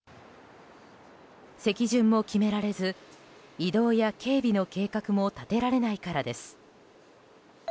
席順も決められず移動や警備の計画も立てられないからです。